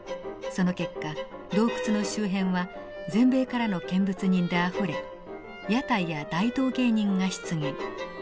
その結果洞窟の周辺は全米からの見物人であふれ屋台や大道芸人が出現。